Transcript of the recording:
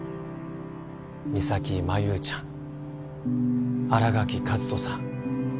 三咲麻有ちゃん新垣和人さん